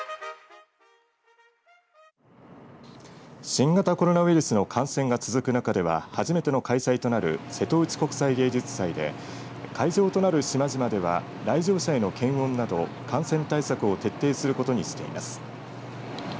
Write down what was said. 新型コロナウイルスの感染が続く中では初めての開催となる瀬戸内国際芸術祭で会場となる島々では来場者への検温など感染対策を徹底することにしています。